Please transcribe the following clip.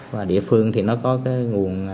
và địa phương thì nó có cái nguồn tờ nguyên